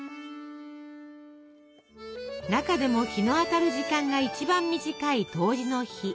中でも日の当たる時間が一番短い「冬至」の日。